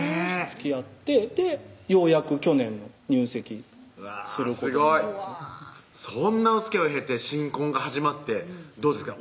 つきあってようやく去年入籍することになってそんなおつきあいを経て新婚が始まってどうですか？